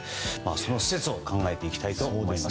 その説を考えていきたいと思います。